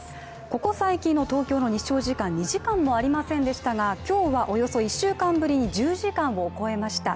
ここ最近の東京の日照時間、２時間もありませんでしたが今日は、およそ１週間ぶりに１０時間を超えました。